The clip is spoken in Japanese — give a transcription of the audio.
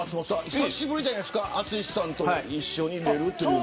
久しぶりじゃないですか淳さんと一緒に出るの。